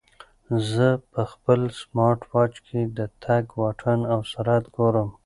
زه په خپل سمارټ واچ کې د تګ واټن او سرعت ګورم.